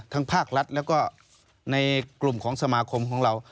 ภาครัฐแล้วก็ในกลุ่มของสมาคมของเรา